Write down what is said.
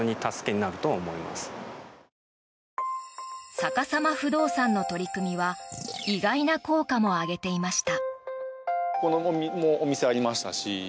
さかさま不動産の取り組みは意外な効果も上げていました。